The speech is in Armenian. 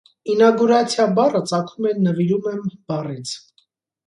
Ինագուրացիա բառը ծագում է «նվիրում եմ» բառից։